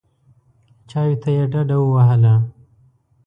چایو ته یې ډډه ووهله.